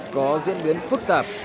có diễn biến phức tạp